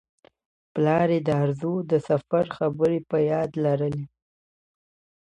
پلار یې د ارزو د سفر خبرې په یاد لرلې.